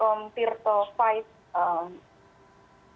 jadi saya kira serangan itu itu sudah diakses